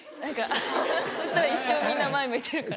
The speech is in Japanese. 一生みんな前向いてるから。